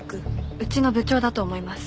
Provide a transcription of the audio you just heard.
うちの部長だと思います。